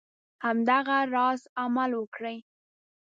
همدغه راز عمل وکړي.